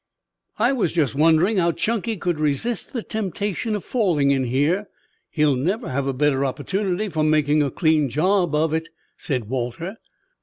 "I was just wondering how Chunky could resist the temptation of falling in here. He'll never have a better opportunity for making a clean job of said Walter.